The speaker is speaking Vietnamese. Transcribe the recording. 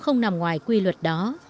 không nằm ngoài quy luật đó